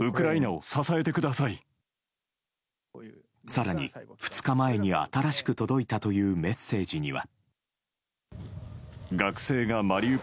更に、２日前に新しく届いたというメッセージには。